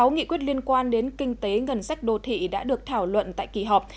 một mươi nghị quyết liên quan đến kinh tế ngân sách đô thị đã được thảo luận tại kỳ họp